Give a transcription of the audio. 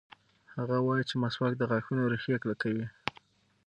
هغه وایي چې مسواک د غاښونو ریښې کلکوي.